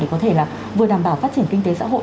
có thể là vừa đảm bảo phát triển kinh tế xã hội